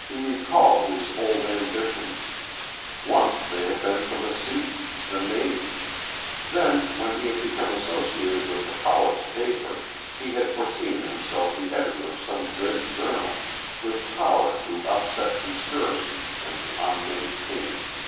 He recalled his old ambitions. Once they had been for the sea the Navy. Then, when he had become associated with the college paper he had foreseen in himself the editor of some great journal, with power to upset conspiracies and to unmake kings.